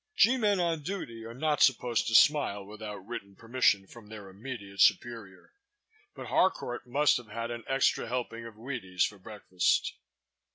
G Men on duty are not supposed to smile without written permission from their immediate superior but Harcourt must have had an extra helping of Wheaties for breakfast.